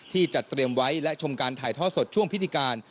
จัดเตรียมไว้และชมการถ่ายท่อสดช่วงพิธีการ